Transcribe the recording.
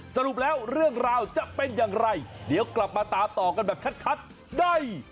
สรุปแล้วเรื่องราวจะเป็นอย่างไรเดี๋ยวกลับมาตามต่อกันแบบชัดได้